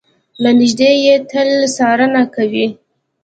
له نږدې يې تل څارنه کوي.